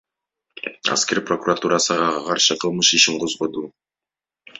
Аскер прокуратурасы ага каршы кылмыш ишин козгоду.